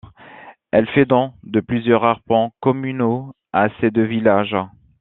Elle fait don de plusieurs arpents communaux à ces deux villages.